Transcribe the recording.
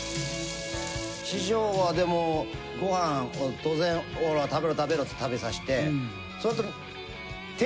師匠はでもご飯を当然食べろ食べろって食べさせて。